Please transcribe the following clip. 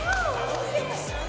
ＯＫ！